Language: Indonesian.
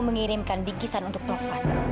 mengirimkan bikisan untuk taufan